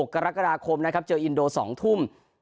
กรกฎาคมนะครับเจออินโด๒ทุ่ม